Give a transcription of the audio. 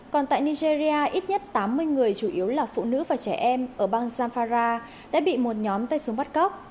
còn tại nigeria ít nhất tám mươi người chủ yếu là phụ nữ và trẻ em ở bang san fara đã bị một nhóm tay súng bắt cóc